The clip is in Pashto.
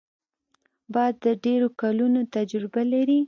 باز د ډېرو کلونو تجربه لري